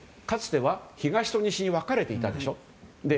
かつては東と西に分かれていたでしょ。